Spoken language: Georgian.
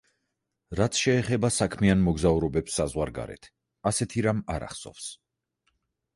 რაც შეეხება „საქმიან მოგზაურობებს საზღვარგარეთ“, ასეთი რამ არ ახსოვს.